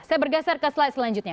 saya bergeser ke slide selanjutnya